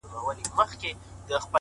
وریځو خو ژړله نن اسمان راسره وژړل!.